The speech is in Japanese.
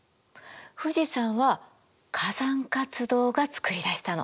富士山は火山活動がつくりだしたの。